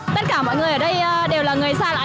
tất cả mọi người ở đây đều là người xa lạ